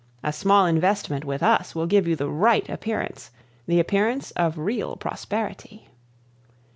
A small investment with us will give you the right appearance, the appearance of real prosperity.